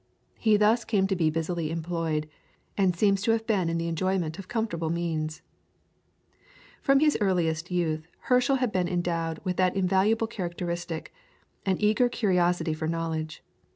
He thus came to be busily employed, and seems to have been in the enjoyment of comfortable means. [PLATE: 7, NEW KING STREET, BATH, WHERE HERSCHEL LIVED.] From his earliest youth Herschel had been endowed with that invaluable characteristic, an eager curiosity for knowledge.